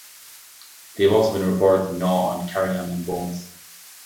They have also been reported to gnaw on carrion and bones.